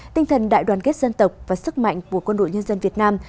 tinh thần đại đoàn kết dân tộc và sức mạnh của quân đội nhân dân việt nam